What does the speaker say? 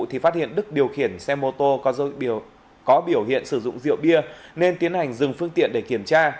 thì phát hiện đức điều khiển xe mô tô có biểu hiện sử dụng rượu bia nên tiến hành dừng phương tiện để kiểm tra